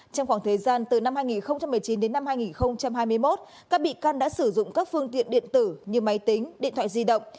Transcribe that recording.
trong khoảng thời gian từ năm hai nghìn một mươi chín đến năm hai nghìn hai mươi một các bị can đã sử dụng các phương tiện điện tử như máy tính điện thoại di động